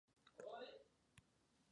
果然非等閒之輩